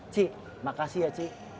cik makasih ya cik